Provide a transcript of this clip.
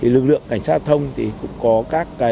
lực lượng cảnh sát giao thông cũng có các biện pháp